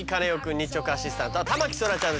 日直アシスタントは田牧そらちゃんです。